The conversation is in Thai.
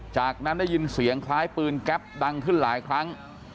จากนั้นได้ยินเสียงคล้ายปืนแก๊ปดังขึ้นหลายครั้ง